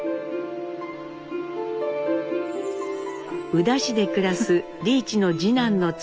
宇陀市で暮らす利一の次男の妻